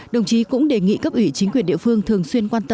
đồng chí cũng đề nghị cấp ủy chính quyền địa phương thường xuyên quan tâm